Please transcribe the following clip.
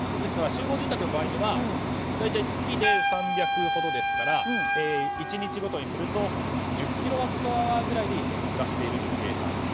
集合住宅の場合には大体、月で３００ほどですから１日ごとにすると１０キロワットアワーで１日暮らしているという計算に。